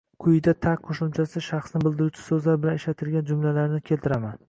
Quyida -ta qoʻshimchasi shaxsni bildiruvchi soʻzlar bilan ishlatilgan jumlalarni keltiraman